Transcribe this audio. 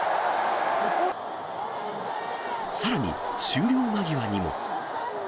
さらに、終了間際にも。